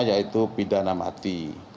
yaitu pidana mati